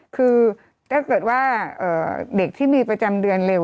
คือถ้าเกิดว่าเด็กที่มีประจำเดือนเร็ว